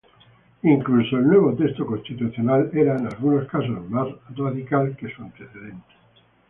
Incluso, el nuevo texto constitucional era en algunos casos más radical que su antecedente.